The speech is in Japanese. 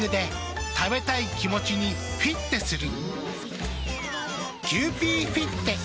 食べたい気持ちにフィッテする。